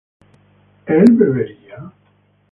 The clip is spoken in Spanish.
¿él bebería?